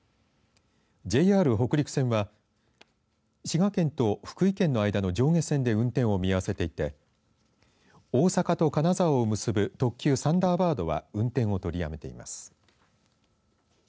ＪＲ北陸線は滋賀県と福井県の間の上下線で運転を見合わせていて大阪と金沢を結ぶ特急サンダーバードは運転を取りやめています。